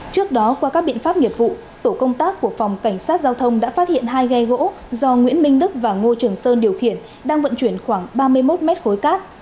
trước đó qua các biện pháp nghiệp vụ tổ công tác của phòng cảnh sát giao thông đã phát hiện hai ghe gỗ do nguyễn minh đức và ngô trường sơn điều khiển đang vận chuyển khoảng ba mươi một mét khối cát